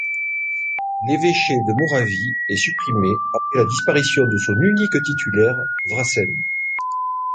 L'évêché de Moravie est supprimé après la disparition de son unique titulaire Vracen.